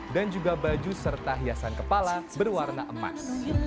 dan juga baju serta hiasan kepala berwarna emas